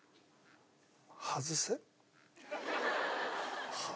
外せ。